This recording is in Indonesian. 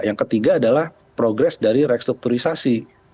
yang ketiga adalah progres dari restrukturisasi